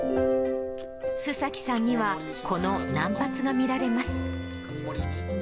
周崎さんには、この難発が見られます。